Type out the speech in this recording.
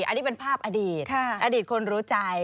อันนี้เป็นภาพอดีตอดีตคนรู้ใจ